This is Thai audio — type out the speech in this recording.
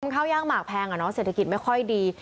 ข้าวย่างหมากแพงเศรษฐกิจไม่ค่อยดี